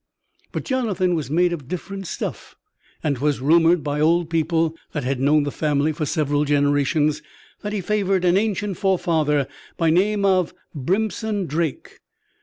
But Jonathan was made of different stuff, and 'twas rumored by old people that had known the family for several generations that he favored an ancient forefather by name of Brimpson Drake.